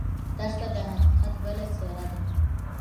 دښته د حقیقت بله څېره ده.